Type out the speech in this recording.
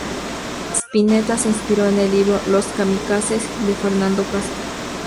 Spinetta se inspiró en el libro "Los kamikazes" de Fernando Castro.